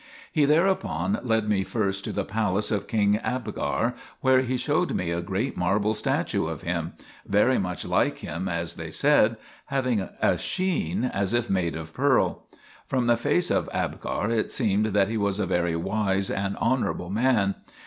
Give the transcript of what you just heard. He thereupon led me first to the palace of King Abgar, where he showed me a great marble statue of him very much like him, as they said having a sheen as if made of pearl. From the face of Abgar it seemed that he was a very wise and honourable man.